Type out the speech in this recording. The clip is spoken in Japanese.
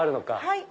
はい。